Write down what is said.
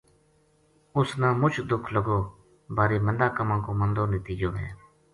اُ س نامُچ دُکھ لگو بارے مندا کماں کو مندو نتیجو وھے